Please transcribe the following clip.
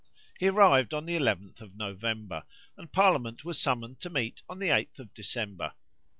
He arrived on the 11th of November, and parliament was summoned to meet on the 8th of December.